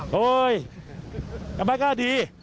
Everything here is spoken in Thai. เฮ้ยก็ดี